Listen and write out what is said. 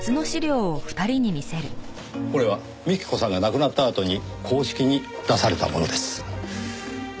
これは幹子さんが亡くなったあとに公式に出されたものです。